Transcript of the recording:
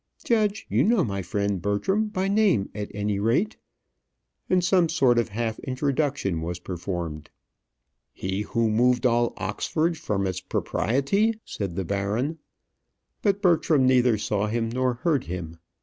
Judge, you know my friend Bertram, by name, at any rate?" and some sort of half introduction was performed. "He who moved all Oxford from its propriety?" said the baron. But Bertram neither saw him nor heard him.